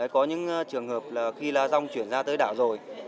có những trường hợp là khi la rong chuyển ra tới đảo rồi